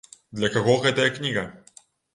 Для каго гэтая кніга?